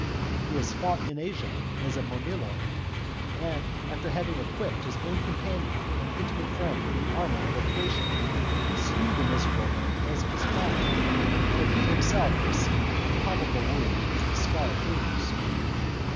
He has fought in Asia as a mirmillo. After having equipped his own companion and intimate friend in the armour of a Thracian, he slew the miserable man as he was flying; but he himself received a palpable wound, as the scar proves.